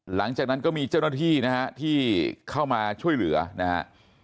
หลังจากนั้นก็มีเจ้าหน้าที่นะฮะที่เข้ามาช่วยเหลือนะฮะ